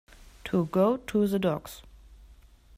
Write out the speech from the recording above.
To go to the dogs.